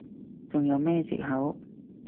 仲有咩藉口？